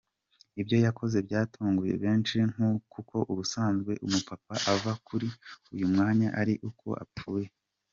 Ibyo yakoze byatunguye benshi kuko ubusanzwe umupapa ava kuri uyu mwanya ari uko apfuye.